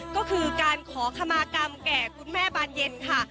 ก็คือการขอขมากรรมแก่คุณแม่บานเย็นค่ะ